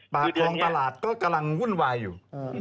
ปากคลองตลาดก็กำลังวุ่นวายอยู่